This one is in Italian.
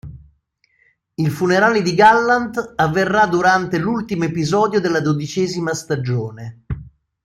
Il funerale di Gallant avverrà durante l'ultimo episodio della dodicesima stagione.